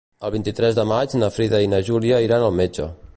El vint-i-tres de maig na Frida i na Júlia iran al metge.